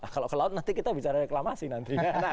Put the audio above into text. kalau ke laut nanti kita bicara reklamasi nantinya